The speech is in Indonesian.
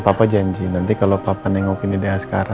papa janji nanti kalau papa nengokin dede askara